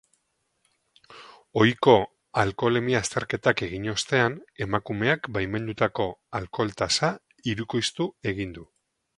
Ohiko alkoholemia azterketak egin ostean, emakumeak baimendutako alkohol-tasa hirukoiztu egin du.